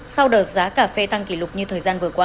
sau đợt giá cà phê tăng kỷ lục như thời gian vừa qua